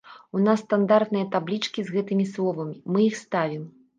У нас стандартныя таблічкі з гэтымі словамі, мы іх ставім.